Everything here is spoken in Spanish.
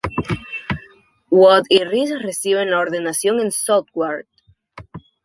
Wood y Rees reciben la ordenación en Southwark.